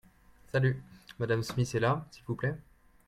Salut ! Mme Smith est là, s'il vous plait ?